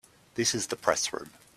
This is the Press Room.